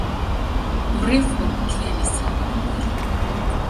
Urefu wa mkia ni sawa na mwili.